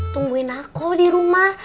tungguin aku di rumah